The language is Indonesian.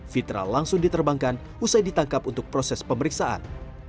fitra langsung diterbangkan usai ditangkap untuk penyelidikan